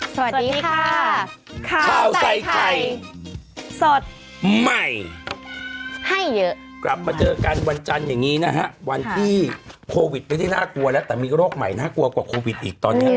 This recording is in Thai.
สวัสดีค่ะข้าวใส่ไข่สดใหม่ให้เยอะกลับมาเจอกันวันจันทร์อย่างนี้นะฮะวันที่โควิดไม่ได้น่ากลัวแล้วแต่มีโรคใหม่น่ากลัวกว่าโควิดอีกตอนเนี้ย